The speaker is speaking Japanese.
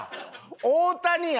大谷や！